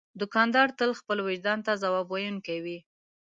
دوکاندار تل خپل وجدان ته ځواب ویونکی وي.